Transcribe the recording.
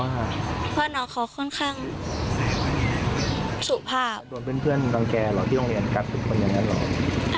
อาจจะเป็นเพราะบุคลิกเขาด้วย